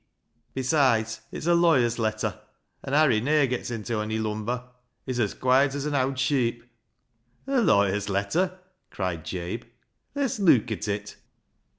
Besides, it's a lawyer's letter, an' Harry ne'er gets inta ony lumber. He's as quiet as an owd sheep." "A lawyer's letter ?" cried Jabe; "less lewk at it."